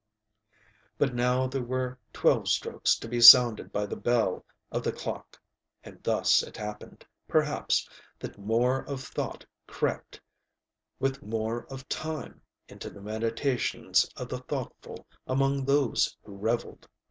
But now there were twelve strokes to be sounded by the bell of the clock; and thus it happened, perhaps, that more of thought crept, with more of time, into the meditations of the thoughtful among those who revelled.